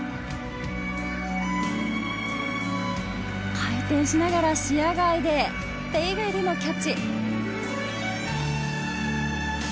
回転しながら視野外で手以外でのキャッチ。